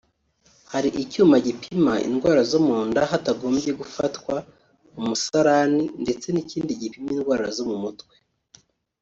Hari icyuma gipima indwara zo mu nda hatagombye gufatwa umusarani ndetse n’ikindi gipima indwara zo mu mutwe